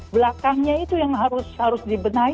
belakangnya itu yang harus dibenahi